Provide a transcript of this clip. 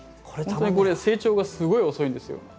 これは成長がすごい遅いんですよ。